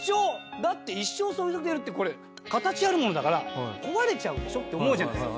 だって一生添い遂げるってこれ形あるものだから壊れちゃうでしょって思うじゃないですか。